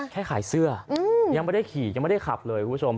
แค่ขายเสื้อยังไม่ได้ขี่ยังไม่ได้ขับเลยคุณผู้ชม